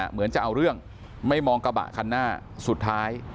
เหมือนจะเอาเรื่องไม่มองกระบะคันหน้าสุดท้าย